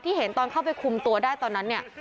เห็นตอนเข้าไปคุมตัวได้ตอนนั้นเนี่ย